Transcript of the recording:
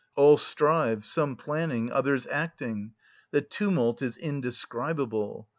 All strive, some planning, others acting; the tumult is indescribable.